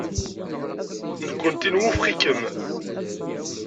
Nekkenti nwufeq-ikem.